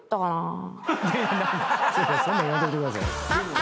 そんなん言わんといてください。